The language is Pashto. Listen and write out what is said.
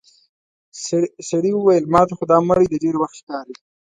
سړي وويل: ماته خو دا مړی د ډېر وخت ښکاري.